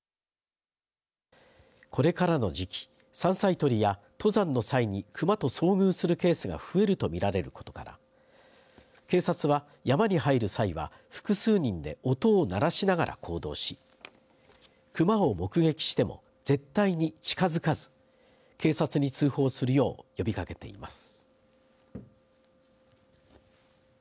これからの時期山菜採りや登山の際に熊と遭遇するケースが増えると見られることから警察は、山に入る際は複数人で音を鳴らしながら行動し熊を目撃しても、絶対に近づかず警察に通報するよう呼びかけています。